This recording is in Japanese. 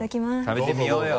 食べてみようよ。